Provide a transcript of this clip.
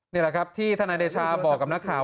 นี่แหละครับที่ทนายเดชาบอกกับนักข่าว